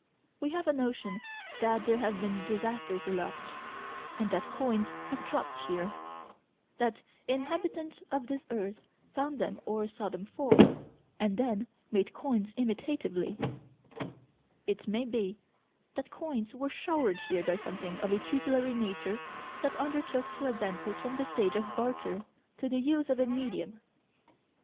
We have a notion that there have been disasters aloft, and that coins have dropped here: that inhabitants of this earth found them or saw them fall, and then made coins imitatively: it may be that coins were showered here by something of a tutelary nature that undertook to advance us from the stage of barter to the use of a medium.